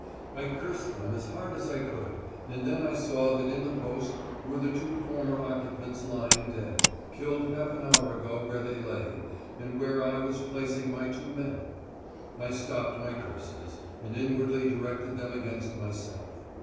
I cursed them as hard as I could, and then I saw that in the post were the two former occupants lying dead, killed half an hour ago where they lay, and where I was placing my two men. I stopped my curses, and inwardly directed them against myself.